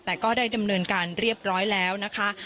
แต่ก็ได้ดำเนินการเรียบร้อยแล้วนะคะ